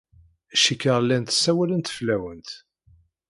Cikkeɣ llant ssawalent fell-awent.